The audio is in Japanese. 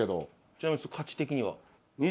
ちなみに価値的には？